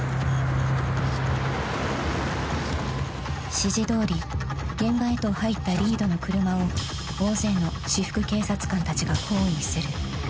［指示どおり現場へと入ったリードの車を大勢の私服警察官たちが包囲する］